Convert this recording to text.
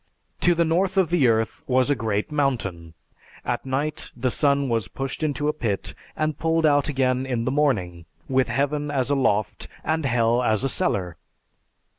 To the north of the earth was a great mountain; at night the sun was pushed into a pit and pulled out again in the morning, with heaven as a loft and hell as a cellar.